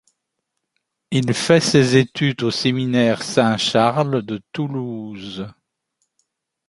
Il fait ses études au séminaire Saint-Charles de Toulouse.